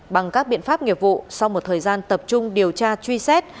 bằng các biện pháp nghiệp vụ sau một thời gian tập trung điều tra truy xét